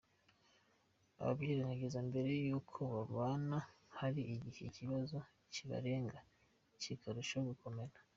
Ababyirengagiza mbere y’uko babana hari igihe ikibazo kibarenga kikarushaho gukomera.